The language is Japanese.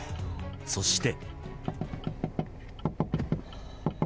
そして。